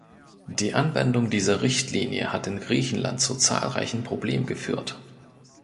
Die Anwendung dieser Richtlinie hat in Griechenland zu zahlreichen Problemen geführt.